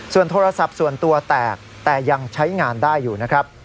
โทรศัพท์ส่วนตัวแตกแต่ยังใช้งานได้อยู่นะครับ